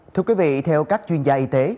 thưa quý vị theo các chuyên gia y tế